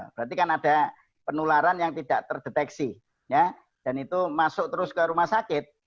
berarti kan ada penularan yang tidak terdeteksi dan itu masuk terus ke rumah sakit